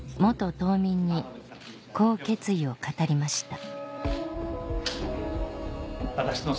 島民にこう決意を語りました